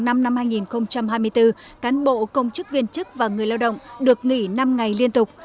năm hai nghìn hai mươi bốn cán bộ công chức viên chức và người lao động được nghỉ năm ngày liên tục